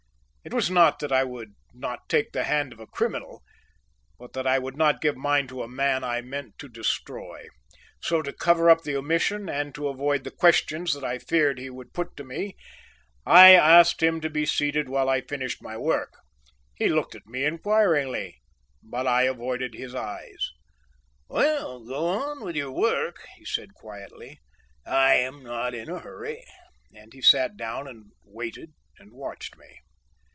It was not that I would not take the hand of a criminal, but that I could not give mine to a man I meant to destroy; so to cover up the omission and to avoid the questions that I feared he would put to me, I asked him to be seated while I finished my work. He looked at me inquiringly, but I avoided his eyes. "Well, go on with your work," he said quietly, "I am not in a hurry"; and he sat down and waited and watched me.